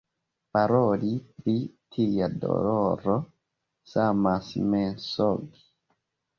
Paroli pri tia doloro samas mensogi.